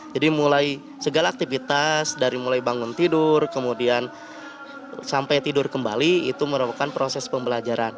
jadi mulai segala aktivitas dari mulai bangun tidur kemudian sampai tidur kembali itu merupakan proses pembelajaran